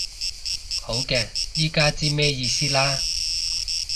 好嘅，依家知咩意思啦